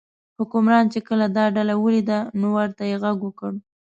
حکمران چې کله دا ډله ولیده نو ورته یې غږ وکړ.